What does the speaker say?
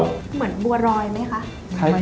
เหมือนบัวรอยไหมคะ